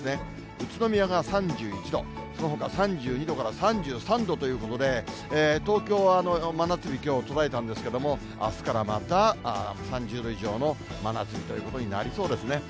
宇都宮が３１度、そのほかは３２度から３３度ということで、東京は真夏日、きょう途絶えたんですけども、あすからまた３０度以上の真夏日ということになりそうですね。